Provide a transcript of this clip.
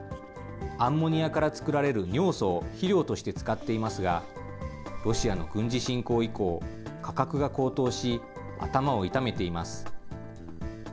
アンモニアから作られる尿素を肥料として使っていますが、ロシアの軍事侵攻以降、価格が高騰し、頭を痛めています。